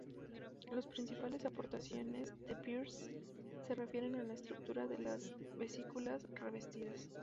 Las principales aportaciones de Pearse se refieren a la estructura de las vesículas revestidas.